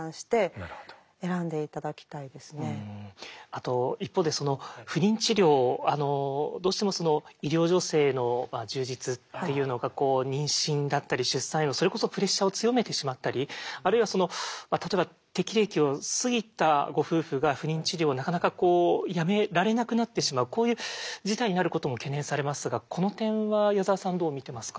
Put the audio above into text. あと一方で不妊治療どうしても医療助成の充実っていうのがこう妊娠だったり出産へのそれこそプレッシャーを強めてしまったりあるいはその例えば適齢期を過ぎたご夫婦が不妊治療をなかなかこうやめられなくなってしまうこういう事態になることも懸念されますがこの点は矢沢さんどう見てますか？